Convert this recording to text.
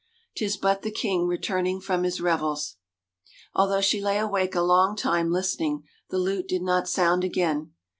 " 'Tis but the king returning from his revels." Although she lay awake a long time listening the lute did not sound again.